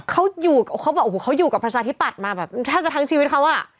เค้าอยู่เค้าบอกโอ้โหเค้าอยู่กับพระชาติที่ปัดมาแบบแทบจะทั้งชีวิตเค้าอ่ะ